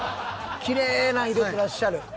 きれいなん入れてらっしゃる。